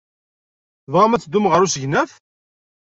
Tebɣam ad teddum ɣer usegnaf?